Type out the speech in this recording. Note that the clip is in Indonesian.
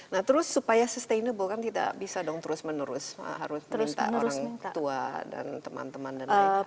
nah terus supaya sustainable kan tidak bisa dong terus menerus harus minta orang tua dan teman teman dan lain sebagainya